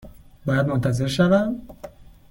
باید منتظر شوم؟